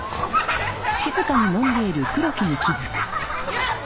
よし！